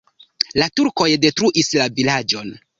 La turkoj detruis la vilaĝon.